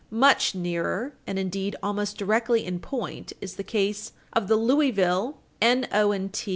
Much nearer, and, indeed, almost directly in point is the case of the Louisville, New Orleans &c.